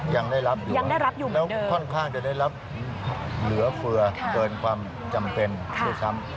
ยังได้รับอยู่ยังได้รับอยู่แล้วค่อนข้างจะได้รับเหลือเฟือเกินความจำเป็นด้วยซ้ำ